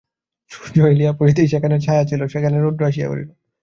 সূর্য হেলিয়া পড়িতেই যেখানে ছায়া ছিল সেখানে রৌদ্র আসিয়া পড়িল।